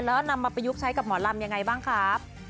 แล้วนำมาประยุกต์ใช้กับหมอลำยังไงบ้างครับ